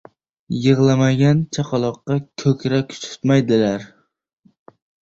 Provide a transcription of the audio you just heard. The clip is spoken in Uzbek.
• Yig‘lamagan chaqaloqqa ko‘krak tutmaydilar.